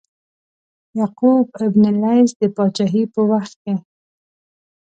یعقوب بن لیث د پاچهۍ په وخت کې.